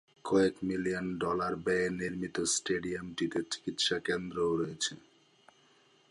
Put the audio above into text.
কয়েক million dollar ব্যয়ে নির্মিত স্টেডিয়ামটিতে চিকিৎসা কেন্দ্রও রয়েছে।